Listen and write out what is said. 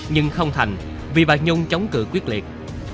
nhưng không thành vì bà nhung chống cử quyết liệt